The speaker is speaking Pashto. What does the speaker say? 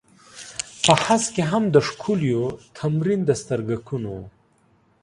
په هسک کې هم د ښکليو و تمرين د سترگکونو.